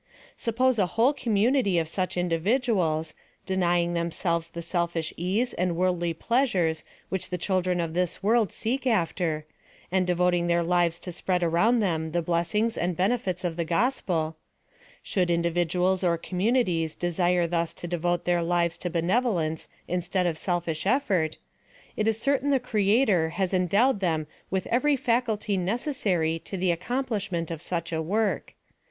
Suppose a whole community of such individuals, denying themselves the selfish ease and worldly pleasures which the children of this world seek after, and devoting their lives to spread around them the blessings and benefits of the gospel — should individuals or communities de sire thus to devote their lives to benevolence instead of selfish efl^ort— it is certain the Creator has en dowed them with every faculty necessary to the ac complishment of such a work.